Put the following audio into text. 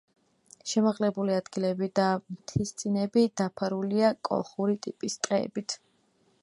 შემაღლებული ადგილები და მთისწინები დაფარულია კოლხური ტიპის ტყეებით.